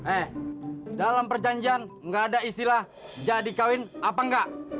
eh dalam perjanjian nggak ada istilah jadi kawin apa enggak